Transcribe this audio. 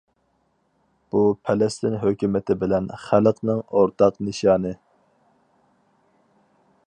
بۇ پەلەستىن ھۆكۈمىتى بىلەن خەلقىنىڭ ئورتاق نىشانى.